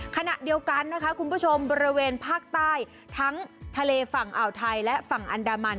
ขณะเดียวกันนะคะคุณผู้ชมบริเวณภาคใต้ทั้งทะเลฝั่งอ่าวไทยและฝั่งอันดามัน